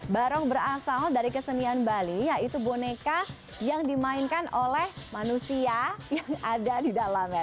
barong berasal dari kesenian bali yaitu boneka yang dimainkan oleh manusia yang ada di dalamnya